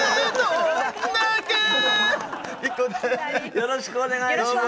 よろしくお願いします。